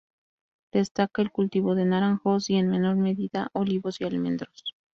Destaca el cultivo de naranjos y, en menor medida, olivos y almendros.